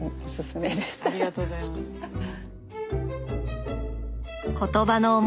ありがとうございます。